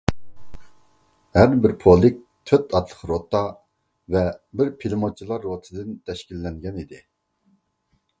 ھەربىر پولك تۆت ئاتلىق روتا ۋە بىر پىلىموتچىلار روتىسىدىن تەشكىللەنگەن ئىدى.